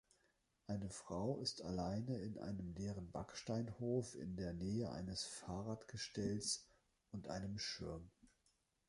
Eine Frau ist alleine in einem leeren Backsteinhof in der Nähe eines Fahrradgestells und einem Schirm